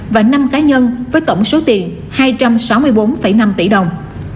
và năm cá nhân với tổng số tiền hai trăm sáu mươi bốn năm tỷ đồng